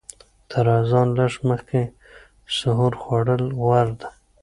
تر اذان لږ مخکې سحور خوړل غوره دي.